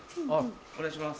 お願いします。